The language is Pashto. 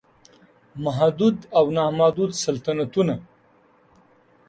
محدود او نا محدود سلطنتونه